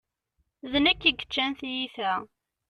D nekk i yeččan tiyita.